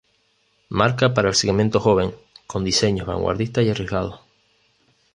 Marca para el segmento joven con diseños vanguardistas y arriesgados.